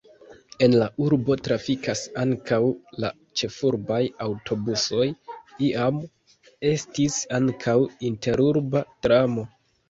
En la urbo trafikas ankaŭ la ĉefurbaj aŭtobusoj, iam estis ankaŭ interurba tramo.